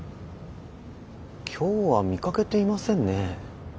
今日は見かけていませんね。